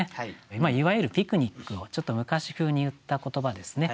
いわゆるピクニックをちょっと昔風に言った言葉ですね。